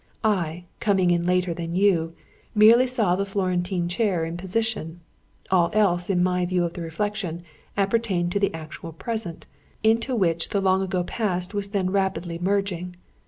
I, coming in later than you, merely saw the Florentine chair in position. All else in my view of the reflection appertained to the actual present, into which the long ago past was then rapidly merging.